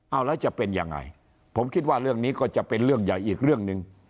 เอาแล้วจะเป็นยังไงผมคิดว่าเรื่องนี้ก็จะเป็นเรื่องใหญ่อีกเรื่องหนึ่ง